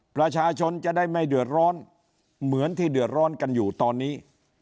ประชาชนจะได้ไม่เดือดร้อนเหมือนที่เดือดร้อนกันอยู่ตอนนี้